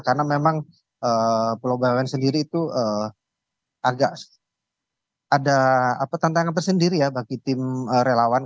karena memang kulau bawean sendiri itu agak ada tantangan tersendiri ya bagi tim relawan